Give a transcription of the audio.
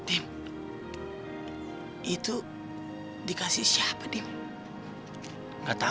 ini dari siapa bu